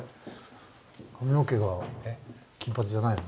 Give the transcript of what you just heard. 髪の毛が金髪じゃないの？